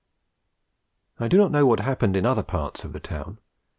I do not know what happened in other parts of the town.